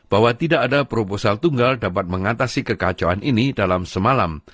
bahwa tidak ada proposal tunggal dapat mengatasi kekacauan ini dalam semalam